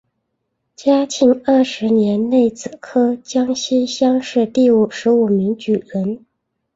嘉庆二十一年丙子科江西乡试第五十五名举人。